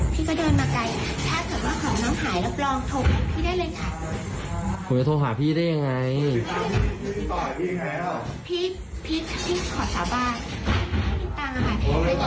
พี่พี่ยอมรับพี่อยากให้น้องไปส่งที่บ้านดิค่ะ